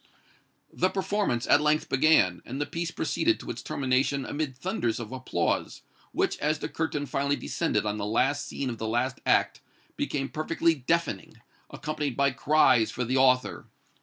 The performance at length began, and the piece proceeded to its termination amid thunders of applause, which, as the curtain finally descended on the last scene of the last act, became perfectly deafening, accompanied by cries for the author.